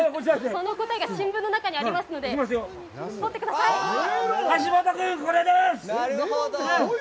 その答えが新聞の中にありますので取ってください。